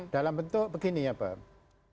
dalam bentuk begini ya pak